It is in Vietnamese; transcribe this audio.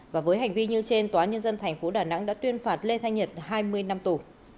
và với hành vi như trên tòa nhân dân tp đà nẵng đã tuyên phạt lê thanh nhật hai mươi năm tù